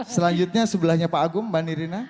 selanjutnya sebelahnya pak agung mbak nirina